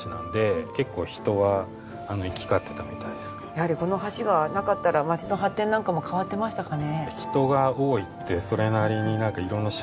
やはりこの橋がなかったら町の発展なんかも変わってましたかね？